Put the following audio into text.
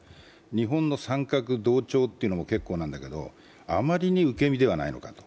日本の参画、同調というのも結構なんだけど、あまりに受け身ではないのかと。